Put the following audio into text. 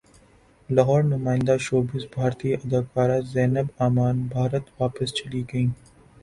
لاہورنمائندہ showbiz بھارتی اداکارہ زینت امان بھارت واپس چلی گئیں